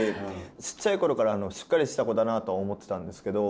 ちっちゃい頃からしっかりした子だなとは思ってたんですけど。